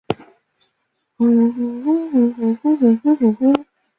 华南花蟹蛛为蟹蛛科花蟹蛛属的动物。